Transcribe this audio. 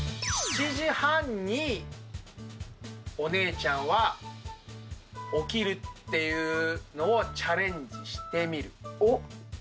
７時半にお姉ちゃんは起きるっていうのをチャレンジしてみる。